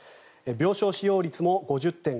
病床使用率も５０．５％。